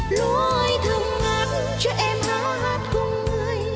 lúa ơi thơm ngát cho em hát hát cùng người